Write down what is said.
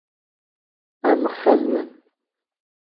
Em xizm in.